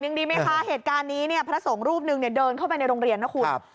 ยังดีไหมคะเหตุการณ์นี้พระทรงรูปหนึ่งเดินเข้าไปในโรงเรียนนะคุณ